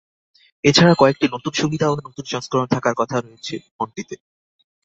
এ ছাড়া কয়েকটি নতুন সুবিধা ও নতুন সংস্করণ থাকার কথাও রয়েছে ফোনটিতে।